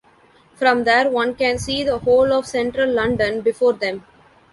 From there one can see the whole of central London before them.